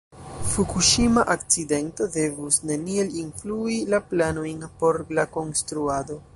Fukuŝima akcidento devus neniel influi la planojn por la konstruado.